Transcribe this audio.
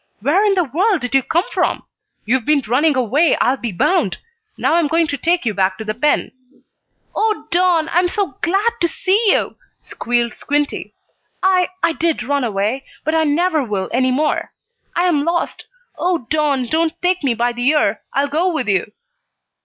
Where in the world did you come from? You've been running away, I'll be bound! Now I'm going to take you back to the pen!" "Oh, Don! I am so glad to see you!" squealed Squinty. "I I did run away, but I never will any more. I am lost. Oh, Don, don't take me by the ear. I'll go with you."